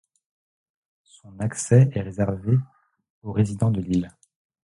Son accès est réservé aux résidents de l'île.